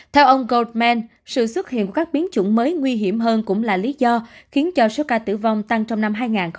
theo ông godman sự xuất hiện các biến chủng mới nguy hiểm hơn cũng là lý do khiến cho số ca tử vong tăng trong năm hai nghìn hai mươi ba